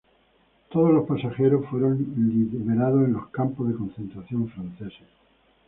Todos los pasajeros fueron liberados de los campos de concentración franceses.